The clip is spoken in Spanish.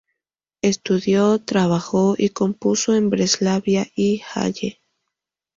Estudió, trabajó y compuso en Breslavia y Halle.